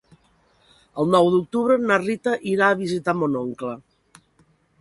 El nou d'octubre na Rita irà a visitar mon oncle.